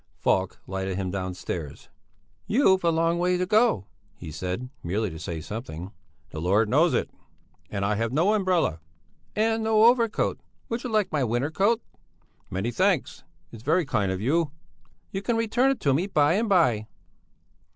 Falk lighted him downstairs. "You've a long way to go," he said, merely to say something. "The Lord knows it! And I have no umbrella." "And no overcoat. Would you like my winter coat?" "Many thanks. It's very kind of you." "You can return it to me by and by."